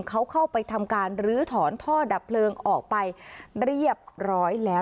เขาเข้าไปทำการลื้อถอนท่อดับเพลิงออกไปเรียบร้อยแล้ว